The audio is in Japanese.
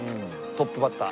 トップバッター。